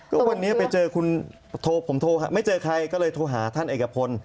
ก็วันนี้ไปเจอคุณโทรผมโทรหาไม่เจอใครก็เลยโทรหาท่านเอกพล